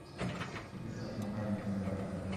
যেহেতু আর কোন কাজ নেই, তাহলে বাড়ি ফেরা যাক।